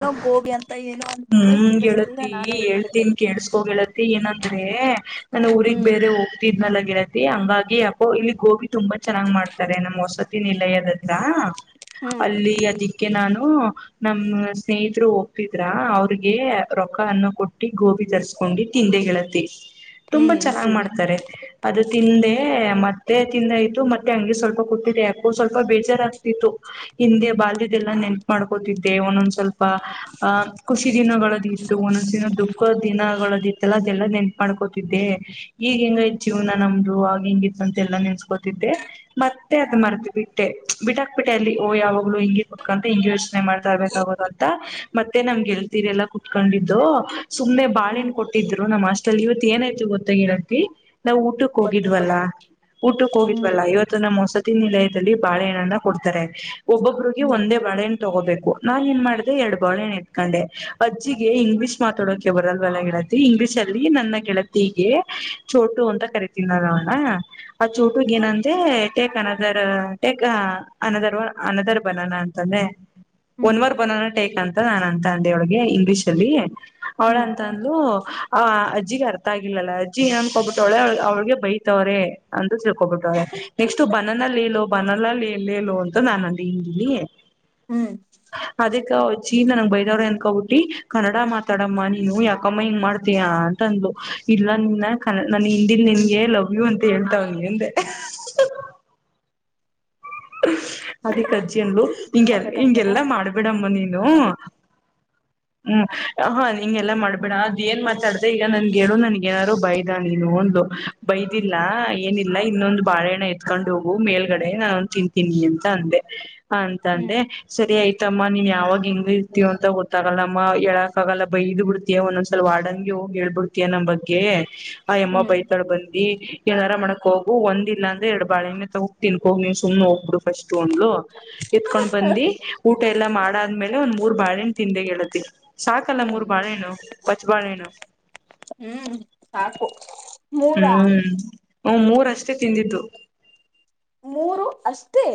ಏನೋ ಗೋಬಿ ಅಂತ ಏನೋ ಅಂತಿದ್ದೆ ಹೂನ್ ಕೇಳಿಸ್ಲಿಲ್ಲ ಗೆಳತಿ ನಾನು ಇಟ್ಬಿಟ್ಟೆ. ಹೇಳ್ತೀನಿ ಕೇಳಿಸ್ಕೋ ಗೆಳತಿ ಏನಂದ್ರೆ ನಾನ್ ಊರಿಗ್ ಹ್ಮ್ ಬೇರೆ ಹೋಗ್ತಿದ್ನಲ್ಲ ಗೆಳತಿ ಹಂಗಾಗಿ ಹಾಗೆ ಯಾಕೋ ಇಲ್ಲಿ ಗೋಬಿ ತುಂಬಾ ಚೆನ್ನಾಗ್ ಮಾಡ್ತಾರೆ ನಮ್ ಹೊಸತಿ ನಿಲಯದತ್ತರ. ಹ್ಮ್ ಅಲ್ಲಿ ಅದಕ್ಕೆ ನಾನು. ಹೂನ್ ನಮ್ ಸ್ನೇಹಿತರು ಹೋಗ್ತಿದ್ರ ಅವ್ರಿಗೆ ರೊಕ್ಕ ಅನ್ನ ಕೊ ಟ್ಟ ಗೋಬಿ ತರಿಸ್ಕೊಂಡು ತಿಂದೆ ಗೆಳತಿ. [unintelligible] ತುಂಬಾ ಹ್ಮ್ ಚೆನ್ನಾಗ್ ಮಾಡ್ತಾರೆ ಅದು ತಿಂದೆ ಮತ್ತ ಅದೇ ತಿಂದೈತು ಮತ್ತೆ ಅಂಗೆ ಸ್ವಲ್ಪ ಕೂತಿದೆ ಯಾಕೋ ಸ್ವಲ್ಪ ಬೇಜಾರಾಗ್ತೀತು ಹಿಂದೆ ಬಾಲ್ಯದೆಲ್ಲ ನೆನಪು ಮಾಡ್ಕೋತಿದ್ದೆ ಒಂದೊಂದ್ ಸ್ವಲ್ಪ. ಪ ಖುಷಿ ದಿನಗಳದ ಇತ್ತು ಒಂದೊಂದು ದಿನ ದುಃಖ ದಿನಗಳಿತ್ತು ಅಲ್ಲಾ. ಎಲ್ಲಾ ನೆನಪ ಮಾಡ್ಕೋತಿದ್ದೆ. ಈಗ ಹ್ಮ್ ಹೆಂಗೈತೇ ಜೀವನ ನಮ್ ಆಗ ಹಿಂಗಿತ್ತು ಅಂತ ಎಲ್ಲ ನೆನೆಸ್ಕೊತಿದೆ ಮತ್ತೆ ಅದ್ ಮರ್ತು ಬಿಟ್ಟೆ ಬಿಟ್ಟಕ್ ಬಿಟ್ಟೆ ಅಲ್ಲಿ ಓ ಯಾವಾಗ್ಲೂ ಹಿಂಗೆ ಕೂತ್ಕೋತಿಯ ಹಿಂಗೆ ಯೋ [unintelligible] [unintelligible] ಮತ್ತೆ ನಮ್ ಗೆಲ್ತೀರಿ ಎಲ್ಲಾ ಕುತ್ಕೊಂಡಿದ್ದು ಸುಮ್ನೆ ಹ್ಮ್ ಬಾಳೆಣ್ಣು ಕೊಟ್ಟಿದ್ರು. ನಮ್ಮ್ ಆಸ್ಟಲ್ಲಿ ಇವತ್ತು ಏನಾಯ್ತು ಗೊತ್ತಾ ಗೆಳತಿ. ನಾವು ಊಟಕ್ಕೆ ಗೊತ್ತಿಲ್ಲ ಹೋಗಿದ್ವಲ್ಲ ಊಟಕ್ಕೆ ಹ್ಮ್ ಹೋಗಿದ್ವಲ್ಲ ಇವತ್ತು ನಮ್ಮ್ ಹೊಸತಿನಿಲ ಬರಿ ಬಾಳೆಹಣ್ಣನ್ನ ಕೊಡ್ತಾರೆ. ಒಬ್ಬೊಬ್ರಗೆ ಹ್ಮ್ ಒಂದೇ ಬಾಳೆ ತಗೋಬೇಕು ನಾನ್ ಎನ್ ಮಾಡ ಎರಡ್ ಬಾಳೆಣ್ಣು ಎತ್ಕೊಂಡೆ ಅಜ್ಜಿಗೆ ಇಂಗ್ಲಿಷ್ ಮಾತಾಡೋಕ ಬರಲ್ವಲ್ಲ ಗೆಳತಿ ಇಂಗ್ಲೀಷ್ ಅಲ್ಲಿ ನನ್ನ ಗೆಳತಿಗೆ ಚೋಟು ಅಂತ ಕರಿತೀನಲ್ಣ್ಣ. ಆ ಹ್ಮ್ ಚೋಟುಗ ಏನಂದೆ. Take another take another another banana ಅಂತಂದೆ. ಹ್ಮ್ ಒನ್ ಮೋರ್ ಬನಾನ. ಬೇಕಂತ ನಾನ್ ಅಂತ ಅಂದೆೊಳಗೆ ಇಂಗ್ಲೀಷ್ ಅಲ್ಲಿ. ಹ್ಮ್ ಅವಳಂತ ಅಂದುಲ ಆ. ಜ್ಜಿಗೆ ಅರ್ಥಗಿಲ್ಲಲ್ಲ ಅಜ್ಜಿ ಏನ್ನ್ಕೋಬಿಟ್ಟವಳೆ ಅವಳಿಗೆ ಬೈತವ್ರ ಅ [unintelligible] [unintelligible] ಬನನ ಲೇಲೋ ಬನಲ್ಲಲ್ಲಿೇಲೋ ಅಂತ ನಾನು ಅಂದೆ ಹಿಂದೀಲಿ. ಹ್ಮ್ ಚ್ಚಿ ನನ್ಗ್ ಬೈದವ್ರ ಅನ್ಕಬಟ್ಟಿ ಕನ್ನಡ ಮಾತಾಡಮ್ಮ ನೀನು ಯಾಕಮ್ಮ ಹಿಂಗ ಮಾಡ್ತಯ ಅಂತಂದಲು ಇಲ್ಲ ನಿನ್ನ ಕ ನನ್ ಹಿಂದಿಲ್ ನಿನ್ಗೆ ಲವ್ ಯು ಅಂತ ಹೇಳ್ತಾವನಿ ಅಂದೆ. ಅದಿಕ್ ಅಜ್ಜಿ ಅಂದ್ಲು ಹಿಂಗೆ ಕೊಡ್ಬೇಕಂತನಾ ಹಿಂಗೆಲ್ಲಾ ಮಾಡ್ಬಿಡಮ್ಮ ನೀನ್. ಹ್ಮ ಹ ಹಿಂಗೆಲ್ಲಾ ಮಾಡ್ಬೇಡ ಹ್ಮ್ ಅದ ಏನ್ ಮಾತಾಡ್ದ ಈಗ ನನ್ಗೆ ಹೇಳು ನನ್ಗ ಏನಾದಾರರು ಬೈದ ನೀನು ಅಂದ್ಲು. ಬೈದಿಲ್ಲ ಏನಿಲ್ಲ ಇನ್ನೊಂದು ಬಾಳೆಹಣ್ಣ ಎತ್ಕೊಂಡ್ ಹೋಗು ಮೇಲ್ಗಡೆ ನಾನ್ ತಿಂತ ತಿನ್ಲಿ ಅಂತ ಅಂದೆ. ಹ ಅಂತ ಹ್ಮ್ ಅಂದೆ ಸರಿ ಆಯ್ತು. ಮ್ಮ ನೀವ್ ಯಾವಾಗ ಹೆಂಗ ಇರ್ತೀವ ಅಂತ ಗೊತ್ತಾಗಲ್ಲ ಅಮ್ಮ ಹೇಳಕ ಆಗಲ್ಲ ಬೈದ್ ಬಿಡ್ತಿಯ ಒಂದೊಂದ್ಸಲ ವಾರಡನ್ಗಿ ಹೋಗಿ ಹೇಳ್ಬಿಡ್ತಿಯಾ ನಮ್ ಬಗ್ಗೆ. ಆ ಎಮ್ಮ ಹ್ಮ್ ಬೈತಾಳೆ ಬೈ. ಏ ಎನಾರ ಮಾಡಕ ಹೋಗು ಒಂದ ಇಲ್ಲ ಅಂದ್ರೆ ಎರಡ್ ಬಾಳೆಣ್ಣು ಮೆ ತಗ ತಿನ್ಕ ನೀನ್ ಸುಮ್ನೆೋಗ. ಫಸ್ಟ್ ಅಂದ್ಲು ಎತ್ಕೊಂಡ್ ಬಂದಿ ಊ ಊಟ ಎಲ್ಲ ಮಾಡಾದ್ಮೇಲೆ ಒಂದ್ ಮೂರ್ ಬಾಳೆಣ್ಣು ತಿಂದೆ ಗೆಳತಿ. ಸಾಕಲ್ಲ ಹ್ಮ್ ಮೂರು ಬಾಳೆಣ್ಣು ಪಚ್ಚ ಬಾಳೆಣ್ಣು. ಹ್ಮ್ ಸಾಕು ಮೂರಾ ಹ್ಮ್ ಹ ಮೂರಷ್ಟೇ ತಿಂದಿದ್ದು. ಮೂರು ಅಷ್ಟೇ.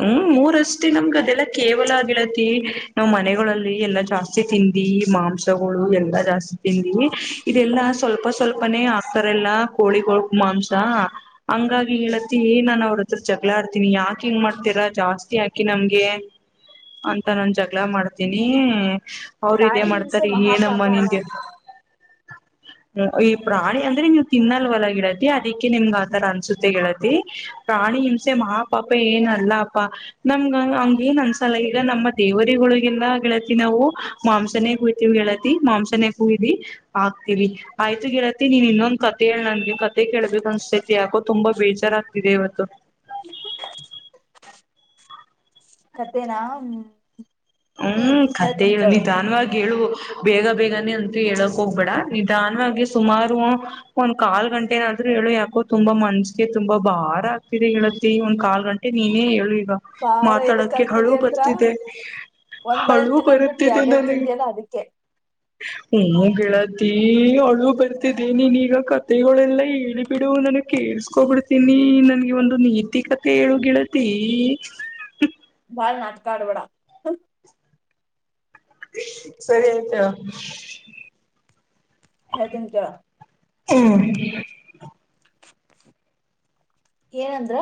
ಹ್ಮ್ ಮೂರಷ್ಟೇ ನಮ್ಗ ಅದೆಲ್ಲಾ ಕೇವಲ ಗೆಳತಿ ನಾವ್ ಮನೆಗಳಲ್ಲಿ ಎಲ್ಲಾ ಜಾಸ್ತಿ ತಿಂದಿ ಮಾಂಸಗಳು ಎಲ್ಲಾ ಜಾಸ್ತಿ. ತಿಂದಿ ಇದೆಲ್ಲಾ ಸ್ವಲ್ಪ ಸ್ವಲ್ಪನೆೇ. ತರೆ ಎಲ್ಲಾ ಕೋಳಿ ಕೋಳ್ ಮಾಂಸ. ಹಂಗಾಗಿ ಹ್ಮ್ ಗೆಳತಿ ಏನನ್ ಅವ್ರ್ದ. ಚಗಳಾಡ್ತೀನಿ ಯಾಕೆ. ಯಾಕಿಂಗ್ ಮಾಡ್ತೀರಾ ಜಾಸ್ತಿ ಹಾಕಿ ನಮ್ಗೆ ಅಂತ ನಾನ ಜಗಳ ಮಾಡ್ತೀನಿ. ಅವ್ರ ಇದೇ ಪ್ರಾಣಿ ಮಾಡ್ತಾರ ಹಿಂಸೆ ಏನಮ್ಮ ಮಹಾಪಾಪ ಅಲ್ಲ ನಿಂಗೆ. ಹ್ಮ್ ಈ ಪ್ರಾಣಿ ಅಂದ್ರೆ ನೀವು ತಿನ್ನಲ್ವಲ್ಲ ಗೆಳತಿ ಅದಿಕ್ಕೆ ನಿಮ್ಗ ಆತರ ಅನ್ಸುತ್ತೆ ಗೆಳತಿ ಪ್ರಾಣಿ ಹಿಂಸೆ ಮಹಾಪಾಪ. ತಪ್ಪ ಏನ ಅಲ್ಲ ಅಪ್ಪಾ ನಮ್ಗ ಹಂಗ ನ್ ಅಂದಸಲ ಈಗ ನಮ್ಮ ದೇವರಿಗಳಿಗೆಲ್ಲ ಗೆಳತಿ ನಾವು ಮಾಂಸನೇ ಕುೂಯ್ತಿವಿ ಗೆಳತಿ ಮಾಂಸನ ಕೂಯ್ದಿ ಆಗ್ತಿವಿ ಆಯ್ತು ಗೆಳತಿ ನೀನ್ ಇನ್ನೊಂದ್ ಕತೆ ಹೇಳ್ ನನ್ಗೆ. ತೆ ಕೇಳಬೇಕು ಅನಸತೈತಿ ಯಾಕೋ. ತುಂಬಾ ಬೇಜಾರಾಗ್ತಿದೆ ಇವತ್ತು. ಕತೆೇನಾ ಹ್ಮ. ಹ್ಮ್ ಕತೆೆ ಹೇಳು ನಿಧಾನವಾಗಿ ಹೇಳು. ಬೇಗ ಬೇಗನೆ ಅಂತ ಹೇಳಕ್ ಹೋಗ್ಬೇಡ ನಿಧಾನವಾಗಿ ಸುಮಾರು ಒಂದ್ ಕಾಲ್ ಗಂಟೆನಾದರು ಹೇಳು ಯಾಕೋ ತುಂಬಾ ಮನ್ಸಗೆ ತುಂಬಾ ಭಾರ ಆಗ್ತಿದೆ ಹೇಳತಿ ಒಂದ್ ಕಾಲ್ ಗಂಟೆ ನೀನೇ ಹೇಳು. ಭಾರ ಎದಕ್ ಮಾತಾಡಕ್ಕೆ ಹಳು ಆಗ್ತಿದೆ ಅಂದ್ರ ಬರ್ತಿದೆ. ಒಂದ್ ಬಳೆನ್ ಹಳವ ತಿನ್ನದ್ ಬಿಟ್ಟು ಬತಿದ್ದ ಎರಡೆರಡ್ ನನಗೆ ತಿಂದಿಯಲ್ಲ ಅದಕ್ಕೆ ನ ಗಳತಿ. ಈ ಹಳು ಬರ್ತಿದ್ದೇ ನೀನ್ ಈಗ ಕತೆೆಗಳೆಲ್ಲ. ಹೇಳಿ ಬಿಡು ನನಗೆ ಕೇಳ್ಸ್ಕೋಬಿಡ ನಿ ನನ್ಗೆ ಒಂದು ನೀತಿಕತೆ ಹೇಳು ಗೆಳತಿ. ಬಾಳ್ ನಾಟಕಾಡಬೇಡ. ಸರಿ ಆಯ್ತಾ. ಹೇಳತೀನ್ ಕೇಳ. ಹ್ಮ್ ಏನಂದ್ರ.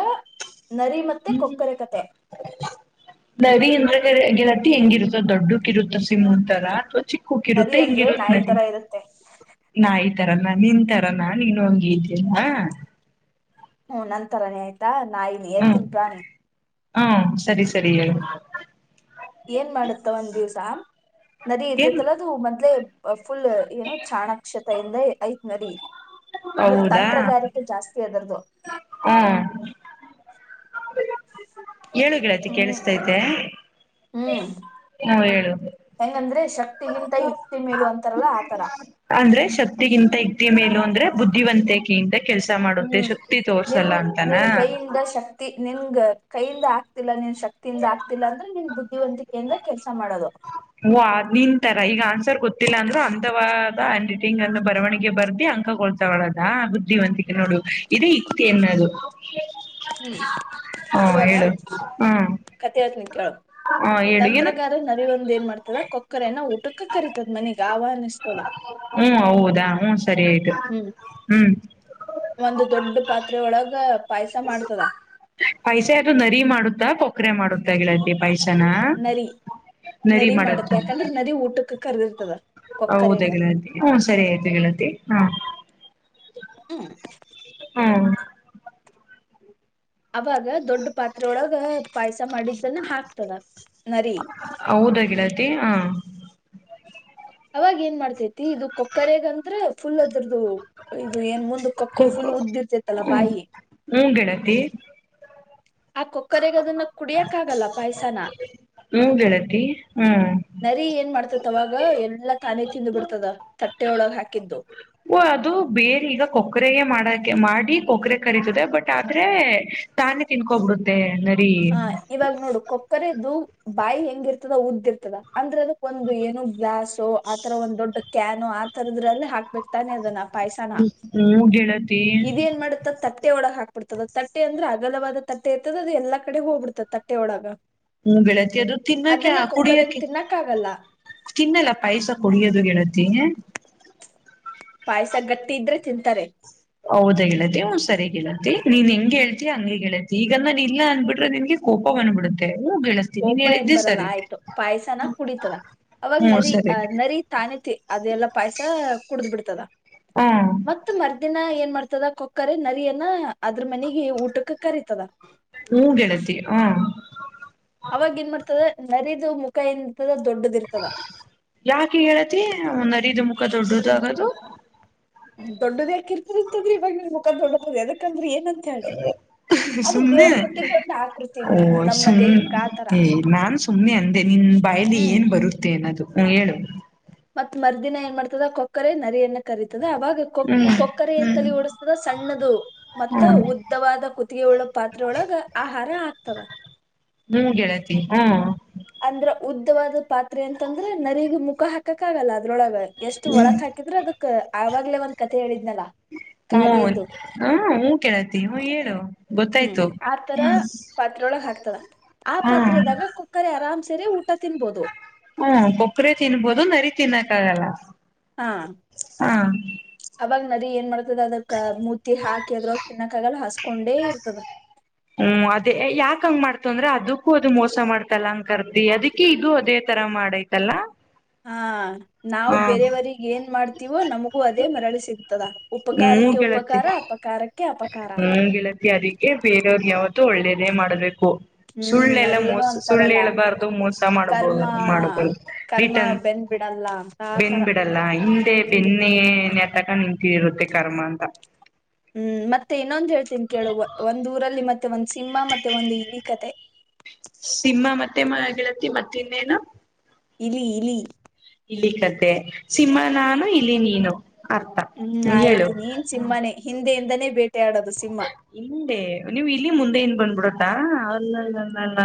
ನರಿ ಮತ್ತೆ ಕೊಕ್ಕರೆ ಕತೆ. ನರಿ ಅಂದ್ರ ಹೆಂಗಿರತ್ತ ಹೆಂಗಿರುತ್ತ ದೊಡ್ಡಕ್ ಇರುತ್ತ ಸಿಂಹನ್ ತರ. ನರಿ ಚಿಕ್ಕುಕ್ಕಿರುತ್ತೆ ಅಂದ್ರೆ ಹೆಂಗಿರುತ್ತ ನಾಯಿ ನರಿ ತರ ಇರುತ್ತೆ ನಾಯಿ. ತರನಾ ನಿಂತಾರಾನ ನೀನೂ ಹಂಗೆ ಇದ್ಯ. ಹ್ಮ ನನ್ ತರಾನೆ ಆಯ್ತಾ. ನಾಯಿ ನಿಯತ್ತಿನ್ ಪ್ರಾಣಿ. ಹಾ ಸರಿ ಸರಿ ಹೇಳು. ಏನ್ ಮಾಡತ್ತ ಒಂದ್ ದಿವ್ಸ ನರಿ ಏನ್ ಇರ್ತತಲ್ಲ ಅದು ಮೊದ್ಲೆೇ ಫುಲ್ ಏನು ಚಾಣಾಕ್ಷತೆಯಿಂದ ಐ ನರಿ. ಅಂದ್ರ ಹೌದಾ ತಂತ್ರಗಾರಿಕೆ ಜಾಸ್ತಿ ಅದರ್ದು. ಹ್ಮ್ ಏಳು ಗೆಳತಿ ಹ್ಮ್ ಕೇಳಿಸ್ತೈತೆ ಹ್ಮ್ ಹಾ ಹೇಳು, ಹೆಂಗಂದ್ರೆ ಶಕ್ತಿಗಿಂತ ಯುಕ್ತಿ ಮೇಲು ಅಂತಾರಲ್ಲ ಆತರ ಅಂದ್ರೆ ಶಕ್ತಿಗಿಂತ ಯು ಕ್ತಿ ಮೇಲು ಅಂದ್ರೆ ಬುದ್ಧಿವಂತಿಕೆಯಿಂದ ಕೆಲ್ಸ ಮಾಡುತ್ತೆ ಹ್ಮ್ ಶಕ್ತಿ ನಿನ್ ತೋರ್ಸಲ್ಲ ಅಂತಾನ. ಗ ಕೈಯಿಂದ ಆಗ್ತಿಲ್ಲಾ ನಿನ್ ಶಕ್ತಿಯಿಂದ ಆಗ್ತಿಲ್ಲ ಅಂದ್ರೆ ನಿನ್ ಬುದ್ಧಿವಂತಿಕೆಯಿಂದ ಕೆಲ್ಸ ಮಾಡೋದು. ಓ ಆದ್ನಿಂತರ ಈಗ ಆನ್ಸರ್ ಗೊತ್ತಿಲ್ಲ ಅಂದ್ರು ಅಂದವಾದ ಹ್ಯಾಂಡ್ ರೈ ಟಿಂಗ್ ಅನ್ನು ಬರವಣಿಗೆ ಬರ್ದಿ ಅಂಕಗೊಳ್ತಗೊಳದಾ ಬುದ್ಧಿವಂತಿ ‌ ನೋಡು ಇದೇ ಯುಕ್ತಿ ಅನ್ನದು. [inaudible] ಹ್ಮ್ ಇವಾಗ ಹ್ಮ್ ಕಥೆ ಹೇಳ್ತೀನಿ ಕೇಳು ಹ ಹೇಳು ಏನು ತಂತ್ರಗಾರ ನರಿ ಒಂದ ಏನ್ ಮಾಡ ತದ ಕೊಕ್ಕರೆೆಯನ್ನು ಊಟ್ ಟಕ್ಕ ಕರಿತದ ಮನಿಗೆ ಆಹ್ವಾನಿಸಿಸ್ತದ. ಹ್ಮ್ ಹೌದಾ ಹ್ಮ್ ಸರಿ ಆಯ್ತು ಹ್ಮ್ ಹ್ಮ್ ಒಂದು ದೊಡ್ಡ ಪಾತ್ರೆ ಒಳಗ ಪಾಯಸ ಮಾಡ್ತದ ಪಾಯ್ಸ ಯಾರು ನರಿ ಮಾಡುತ್ತಾ ಕೊ ಕ್ರೆ ಮಾಡುತ್ತ ಗೆಳತಿ ಪಾಯ್ ನರಿ, ನರಿ ಮಾಡುತ್ತ ಮಾಡತ್ತೆ ಯಾಕಂದ್ರ ನರಿ ಊಟಕ್ಕೆ ಕರ್ದಿರ್ತದ. ಹೌದಾ ಕೊಕ್ಕರೆಗ ಗೆಳತಿ ಹ್ಮ ಸರಿ ಆಯ್ತು ಗೆಳತಿ ಹಾ. ಹ್ಮ. ಹೂಂ. ಅವಾಗ ದೊಡ್ಡ ಪಾತ್ರೆ ಒಳಗ ಪಾಯ್ಸ ಮಾಡಿದ್ದನ್ನ ಹಾಕ್ತದ. ನರಿ ಹೌದ ಗೆಳತಿ ಹಾ. ಅವಾಗ ಏನ್ ಮಾಡ್ತೇತಿ ಇದು ಕೊಕ್ಕರೆಗಂದ್ರ ಫುಲ್ ಅದರದ್ದು ಇದು ಏನ್ ಮುಂ ಕೋಕು ಹ್ಮಂ [unintelligible] ತ್ತ ಆ ಕೊಕ್ಕರೆಗದನ್ನ ಕುಡಿಯಕ್ ಆಗಲ್ಲ ಪಾಯಸಾನ. ಹ್ಮ್ ಗೆಳತಿ ಹ್ಮ್ ನರಿ ಏನ್ ಮಾಡ್ತತಿ ಅವಾಗ ಎಲ್ಲ ತಾನೆ ತಿಂದು ಬಿಡ್ತದ ತಟ್ಟೆ ಒಳಗೆ ಹಾಕಿದ್ದು. ಓ ಅದು ಬೇರೆ ಈಗ ಕೊಕ್ಕರೆಗೆ ಮಾಡಕೆ ಮಾಡಿ ಕೊಕ್ಕರೆ ಕರೀತದೆ ಬಟ್ ಆದ್ರೆ ತಾನೇ ತಿನ್ಕೊಬಿಡುತ್ತೆ ನ ಹಾ ಇವಾಗ್ ನೋಡು ಕೊಕ್ಕರೆದು ಬಾಯಿ ಹೆಂಗಿರ್ತದ, ಉದ್ದ್ ಇರ್ತದ. ಅಂದ್ರೆ ಅದಕ್ಕ ಒಂದು ಏನ ಗ್ಲಾಸೋ ಆತರ ಒಂದ್ ದೊಡ್ಡ ಕ್ಯಾನು ಆತರದ್ರಲ್ಲೆ ಹಾಕ್ಬೇಕ್ತಾನೆ ಅದನ್ನ. ಪಾಯ್ಸನ ಹ್ಮ ಹ್ಮೂ ಗೆಳ ಇದೇನ್ ಮಾಡುತ್ತ ತಟ್ಟೆ ಒಳಗ ಹಾಕ್ ಬಿಡ್ತದ ತಟ್ಟೆ ಅಂದ್ರೆ ಅಗಲವಾದ ತಟ್ಟೆ ಇರ್ತದ ಅದು ಎಲ್ಲಾ ಕಡೆ ಹೋಗ್ಬಿಡ್ತದ್ ತಟ್ಟೆ ಒಳಗ. ಹ್ಮ ಗೆಳತಿ ಅದು ತಿನ್ನಕೆ ಅದನ್ನ ಕೊಕ್ಕರೆಗ್ ಕುಡಿಯಕೆ ತಿನ್ನಕ್ ಆಗಲ್ಲ ತಿನ್ನಲ್ಲ ಪಾಯಸ ಕುಡಿಯೋದು ಗೆಳತೀ. ಪಾಯ್ಸ ಗಟ್ಟಿ ಇದ್ರೆ ತಿಂತಾರೆ. ಹೌದ ಗೆಳತಿ ಹೂಂ ಸರಿ ಗೆಳತಿ ನೀನ್ ಹೆಂಗೆೇಳ್ತಿಯ ಹಂಗೆ ಗೆಳತಿ ಈಗ ನಾನ ಇಲ್ಲ ಅಂದ್ಬಿಟ್ರೆ ನಿನ್ಗೆ ಕೋಪ ಬಂದ್ಬಿಡುತ್ತೆ. ಹ್ಮ್ ಗೆಳತಿ ನೀನ್ ಕೋಪ ಏನ್ ಹೇಳಿದ್ದೆ ಬರಲ್ಲ ಸರಿ ಆಯ್ತು ಪಾಯ್ಸನ ಕುಡಿತದ ಅವಾಗ ಹ್ಮ್ ನರಿ ಸರಿ ಆ ನರಿ ತಾನೇ ತಿ ಅದೆಲ್ಲ ಪಾಯ್ಸ ಕುಡ್ದ್ ಬಿಡ್ತದ. ಹ್ಮ್ ಮತ್ತ ಮರುದಿನ ಏನ್ ಮಾಡ್ತದ ಕೊಕ್ಕರೆ ನರಿಯನ್ನ ಅದ್ರ ಮನೆಗೆ ಊಟಕ್ಕೆ ಕರಿತದ. ಹ್ಞೂಂ ಗೆಳತಿ ಹ್ಞೂಂ. ಅವಾಗ ಏನ್ ಮಾಡ್ತದ ನರಿದ ಮುಖ ಎಂತದ ಯಾಕೆ ಗೆಳತಿ ನರಿದು ಮುಖ ದೊಡ್ಡದು ಆಗದು. ದೊಡ್ಡದ್ಯಾಕಿರ್ತದಂದ್ರ ಇವಾಗ ನಿಮ್ ಮುಖಾ ದೊಡ್ಡದ ಎದಕಂದ್ರ ಏ ಸುಮ್ನೆ ಕೊಟ್ಟಿದ್ದ ಒಂದ ಆಕೃತಿ ಓ ನಮ್ಮ ಸುಮ್ ದೇಹಕ್ಕ ಆತರ ಏ ನಾನ್ ಸುಮ್ನೆ ಅಂದೆ ನಿನ್ ಬಾಯಲಿ ಹ್ಮ್ ಏನ್ ಬರುತ್ತೆ ಅನ್ನದು. ಹ್ಮ ಹೇಳು. ಮತ್ ಮರ್ದಿನ ಏನ್ ಮಾಡ್ತದ ಕೊಕ್ಕರೆ ನರಿಯನ್ನ ಕರೀ ತದ ಅವಾಗ ಕೊ ಹ್ಮ್ ಕೊಕ್ಕರೆ ತೆಲಿ ಓಡುಸ್ತದ ಸಣ್ಣದು ಮತ್ತ ಹ್ಮ್ ಉದ್ದವಾದ ಕು ಪಾತ್ರೆ ಒಳಗ ಆಹಾರ ಹಾಕ್ತದ. ಹ್ಞೂಂ ಗೆಳತಿ ಹ್ಞೂಂ. ಅಂದ್ರ ಉದ್ದವಾದ ಪಾತ್ರೆ ಅಂತಂದ್ರ ನರಿಗ ಮುಖ ಹಾಕಾಕ್ ಆಗಲ್ಲ ಅದ್ರೊಳಗ. ಎಷ್ಟು ಒಳಕ್ ಹ್ಮ ಹಾಕಿದ್ರೆ ಅದು ಆವಾಗ್ಲೇ ಒಂದ್ ಕತೆ ಹೇಳಿದ್ನಲ್ಲ. ಹ್ಮ ಕಾಗೆದು ಹ ಹೂ ಕೇಳತಿ ಹ್ಮ ಹೇಳು. ಹ್ಮ್ ಗೊತ್ತಾಯ್ತು ಆತರ ಪಾತ್ರೆೊಳಗ ಹಾಕ್ತದ ಆ ಹ್ಮ್ ಪಾತ್ರದಾಗ ಕುಕ್ಕರೆ ಆರಾಮ್ಸ. ಸರೆ ಊಟ ತಿನ್ಬೋದು. ಹ್ಮ ಕೊಕ್ಕರೆ ತಿನ್ಬೋದು ನರಿ ತಿನ್ನಕ್ಕ ಆಗಲ್ಲ. ಹ ಹ ಅವ ನರಿ ಏನ್ ಮಾಡ್ತದ ಅದಕ್ ಮೂತಿ ಹಾಕಿ ಅದ್ರಾಗ ತಿನ್ನಕ್ಕ ಆಗಲ್ಲ ಹಸ್ಕೊಂಡೆ ಇರ್ತದ. ಹ್ಮ್ ಅದೇ ಯಾಕಂಗ ಮಾಡ್ತ ಅಂದ್ರೆ ಅದಕ್ಕೂ ಅದು ಮೋಸ ಮಾಡ್ತಲ್ಲ ಅಂಗ ಕರ್ದಿ ಅದಕ್ಕೆ ಇದು ಅದೇ ತರ ಮಾಡೈತಲ್ಲ. ಹ ನಾವು ಹ ಬೇರೆಯವರಿಗ್ ಏನ್ ಮಾಡ್ತೀವೋ ನಮಗೂ ಅದೇ ಮರಳಿ ಸಿಗ್ತದ. ಹ್ಮ ಉಪಕಾರಕ್ಕೆ ಗೆಳತಿ ಉಪಕಾರ ಅಪಕಾರಕ್ಕೆ. ಅಪಕಾರ ಹ್ಮ್ ಗೆಳತಿ ಅದಕ್ಕೆ ಬೇರೆಯವ್ರಿಗೆ ಯಾವ ತ್ತು ಒಳ್ಳೇದೆ ಮಾಡ್ಬೇಕು. ಹ್ಮ್ ಸುಳ್ಳೆಲ್ಲ ಅದೇನೋ ಮೋಸ ಸುಳ್ಳು ಅಂತಾರಲ್ಲ ಹೇಳಳ್ಬಾರ್ದು ಮೋಸ ಮಾಡಬೋ ಕರ್ಮ ಮಾಡ ಕರ್ಮ ರಿಟನ್ ಬೆನ್ ಬಿಡಲ್ಲ ಅಂತ ಬೆಂದ್ ಆತರ ಬಿಡಲ್ಲ ಹಿಂದೆ ಬೆನ್ನೆ. ತಕ ನಿಂತ ಇರುತ್ತೆ ಕರ್ಮ ಅಂತ. ಹ್ಮ್ ಮತ್ತೆ ಇನ್ನೊಂದು ಹೇಳ್ತೀನಿ ಕೇಳು ಒಂದ ಊರಲ್ಲಿ ಮತ್ತೆ. ಮತ್ತೆ ಒಂದು ಸಿಂಹ ಮತ್ತೆ ಒಂದು ಇಲಿ ಕತೆೆ. ಸಿಂಹ ಮತ್ತೆ ಮ ಗೆಳತಿ ಮತ್ತ ಇನ್ನೇನು. ಇಲಿ ಇಲಿ. ಇಲಿ ಕತೆೆ ಸಿಂಹ ನಾನು ಇಲಿ ನೀನು. ಅರ್ಥ ಹ್ಮ್ ಹೇಳು. ಆಯ್ತು ನೀನ್ ಸಿಂಹನೇ ಹಿಂದೆಯಿಂದ. [unintelligible] ಹಿಂದೆ ನೀವು ಇಲಿ ಮುಂದೆ. ಬಂದ್ಬಿಡುತ್ತಾ ಅಲ್ಲಲ್ಲಲ್ಲಲ್ಲ.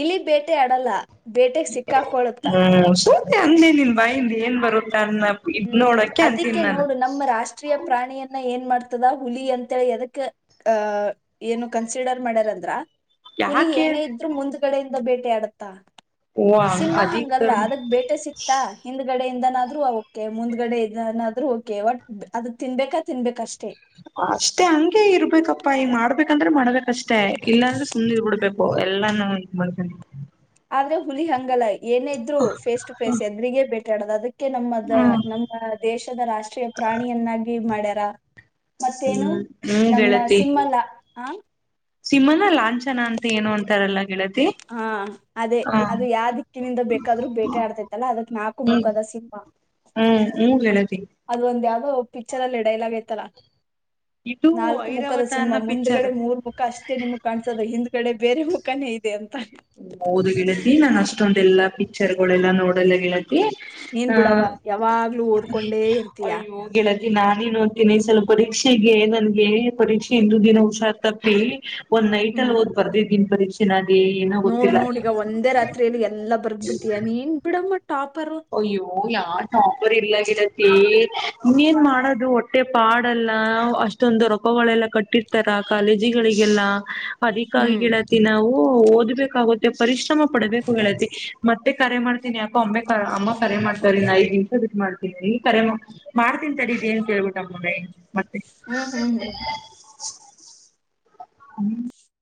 ಇಲಿ ಬೇಟೆ ಆಡಲ್ಲ. ಬೇಟೆಗ್ ಸಿಕ್ಕಾಕೊಳುತ್ತ ಹ್ಮ್ ಸು. ಹಂದೆ ನಿನ್ ಬಾಯಿಂದ ಏನ್ ಬರುತ್ತ. ಅನ್ನ ಇದ್ ಹ್ಮ್ ನೋಡಕ್ಕೆ ಅದಿಕ್ಕೆ ಅಂತೀನಿ ನಾನು. ನೋಡು ನಮ್ಮ ರಾಷ್ಟ್ರೀಯ ಪ್ರಾಣಿಯನ್ನ ಏನ್ ಮಾಡ್. ಆತದ ಹುಲಿ ಅಂತಿ ಎದಕ್ಕೆ ಅ ಏನು ಕನ್ಸಿಡರ್ ಮಾಡ್ಯಾರಂದ್ರ. ಹುಲಿ ಯಾಕೆ ಏನೇ ಇದ್ರು ಮುಂದ್ಗಡೆ. ಬೇಟೆ ಹಾಡುತ್ತಾ. ಓ ಸಿಂಹ ಅದಿಕ್ ಹಂಗಲ್ಲ ಅದಕ್ ಬೇಟೆ ಸಿಕ್ತಾ ಹಿಂದಕ್ಕೆ. ಕಡೆಯಿಂದ ಆದ್ರೂನು ಅವು. ಮುಂದ್ಗಡೆ ಇದೇನಾದ್ರೂ ಓಕೆ ವಟ್ ಅದು ತಿನ್ಬೇಕಾ ತಿನ್ಬೇಕಷ್ಟೆ. ಅಷ್ಟೇ ಹಂಗೆ ಇರ್ಬೇಕಪ್ಪಾ ಈ ಮಾಡ್ಬೇಕ. ಅಂದ್ರೆ ಮಾಡೋಬೇಕ್. ಅಷ್ಟೇ ಇಲ್ಲಾಂದ್ರೆ ಸುಮ್ಮನೆ ಇದ್ ಬಿಡ್ಬೇಕು. ಎಲ್ಲಾನು [unintelligible] ಮಾಡಬೇಕು. ಆದ್ರೆ ಹುಲಿ ಹಂಗಲ್ಲ. ಏನೇ ಇದ್ರೂ ಫೇಸ್ ಟು ಫೇಸ್ ಎದ್ರಿಗೆ ಬೇ [unintelligible] ನಮ್ಮದ ಹ್ಮ್ ನಮ್ಮ ದೇಶದ ರಾಷ್ಟ್ರೀಯ ಪ್ರಾಣಿಯನ್ನಾಗಿ ಮಾಡ್ಯಾರ. ಕ ಮತ್ತೇನು ಹ್ಮ್ ಹ್ಮ್ ನಮ್ಮ ಸಿಮಲ್ಲ ಹ. ಸಿಮ್ಮನ ಲಾಂಛನ ಅಂತ ಏನು ಅಂತಾರೆಲ್ಲಾ ಗೆಳ ಹಾ ಅದೇ ಅದು ಯಾವ ದಿಕ್ಕಿನಿಂದ ಬೇಕಾದ್ರೂ ಬೇಟೆ ಆಡ್ತೇತ್ತಲ್ಲ ಅದಕ್ ನಾಲ್ಕು ಹ್ಮ್ ಮುಖದ ಸಿಂಹ ಹ್ಮ್ ಹ್ಮ್ ಗೆಳತಿ ಅದ ಒಂದ ಯಾವ್ದ. ಆ ಪಿಚ್ಚರ್ ಅಲ್ಲಿ ಡೈಲಾಗ್ ಐತಲ್ಲ. ಇದು ನಾಲ್ಕು ಮುಖದ ಐರಾವತ ಸಿಂಹ ಅನ್ನೋ ಪಿಕ್ಚರ್ ಮುಂದ್ಗಡೆ ಮೂರ್ ಮುಖ ಅಷ್ಟೇ ನಿಮ್ ಕಾಣ್ಸದ ಹಿಂದ್ಗಡೆ. ಬೇರೆ ಮುಖಾನ ಇ [unintelligible] ಹೌದು ಗಿಳತಿ ನಾ ಅಷ್ಟೊಂದೆಲ್ಲಾ. ಪಿಚ್ಚರ್ ಗಳೆಲ್ಲ ನೋಡಲ್ಲ ಗೆಳತಿ. ನೀನ್ ಬಿಡವ ಆ ಯಾವಾಗ್ಲೂ ಓದ್ಕೊಂಡೇ ಇರ್ತಿಯ. ನಾನೇನ ಓದ್ತೀನಿ ಈ ಸಲ ಪರೀಕ್ಷೆಗೆ ನನ್ಗೆ ಪರೀಕ್ಷೆ ಹಿಂದಿ ದಿನ ಹುಷಾರ್ ತಪ್ಪಿ. ಒಂದ್ ನೈಟಲ್ಲಿ ಹ್ಮ್. ಓದ್ ಬರೆದಿದ್ದೀನಿ ಬರೀಕ್ಷೆನ್ನಾಗಿ ನೋಡ್ ನೋಡ್ ಈಗ ಒಂದೇ ರಾತ್ರಿಯಲಿ ಎಲ್ಲಾ ಬರ್ದ್ ಬಿಡ್ತೀಯ ನೀನ್ ಬಿಡಮ್ಮ. ಟಾಪರ್. ಅಯ್ಯೋ ಯಾವ ಟಾಪರ್ ಇಲ್ಲಾಗಿರ. ತಿ ಇನ್ನೇನ್ ಮಾಡೋದು ಹೊಟ್ಟೆ ಪಾಡಲ್ಲ ಅಷ್ಟೊಂದು ರೊಕಗಳೆಲ್ಲ ಕಟ್ಟಿರ್ತಾರ ಕಾಲೇಜಿಗಳಿಗೆಲ್ಲ. ಅದಕ್ಕಾಗಿ ಹ್ಮ್ ಗಿಳತಿ ನಾವು ಓದ್. ಬೇಕಾಗುತ್ತೆ. ಪರಿಶ್ರಮ ಪಡಬೇಕು ಹೇಳತೀ ಮತ್ತೆ ಕರೆ ಮಾಡ್ತೀನಿ ಯಾಕೋ. ಅಮ್ಮ ಕರೆ ಮಾಡ್ತಾರ್ ಇನ್ ಐದ್ ನಿಮಿಷ ಬಿಟ ಮಾಡ್. ಈ ಕರೆ [unintelligible] ಮಾಡ್ತೀನ್ ತಡೀರಿ ಎನ್ ಕೇಳ್ಬಿಟ್ಟ ಅಮ್ಮಂಗೆ. ಹ್ಮ್ ಹ್ಮ್ ಹ್ಮ್ [inaudible] ಹ್ಮ